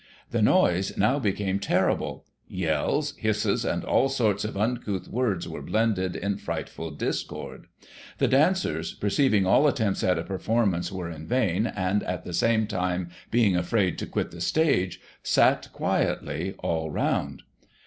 The noise, now, became terrible ; yells, hisses, and all sorts of uncouth sounds were blended in frightful discord. The dancers, perceiving all attempts at a performance were in vain, and, at the same time, being afraid to quit the stage, sat quietly, all round.